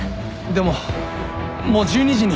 でももう１２時に。